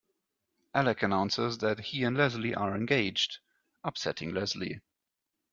Alec announces that he and Leslie are engaged, upsetting Leslie.